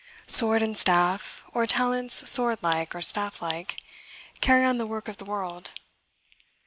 Sword and staff, or talents sword like or staff like, carry on the work of the world.